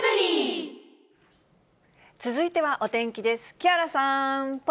続いてはお天気です。